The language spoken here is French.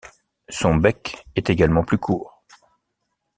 Son bec est également plus court.